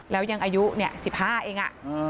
แล้วยังอายุ๑๕เอง